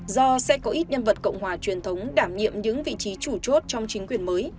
do sẽ có ít nhân vật cộng hòa truyền thống đảm nhiệm những vị trí chủ chốt trong chính quyền mới